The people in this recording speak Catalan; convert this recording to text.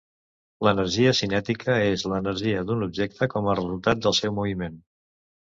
L'energia cinètica és l'energia d'un objecte com a resultat del seu moviment.